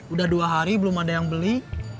udah dua hari belum ada yang beli